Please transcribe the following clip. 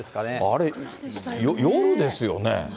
あれ、夜ですよね？